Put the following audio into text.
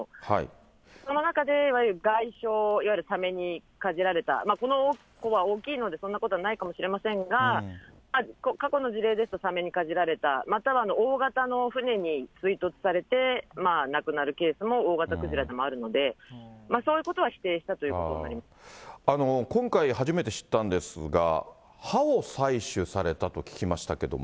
その中でいわゆる外傷、いわゆるサメにかじられた、この子は大きいのでそんなことはないかもしれませんが、過去の事例ですと、サメにかじられた、または大型の船に追突されて、亡くなるケースも大型クジラでもあるので、そういうことは否定し今回、初めて知ったんですが、歯を採取されたと聞きましたけども。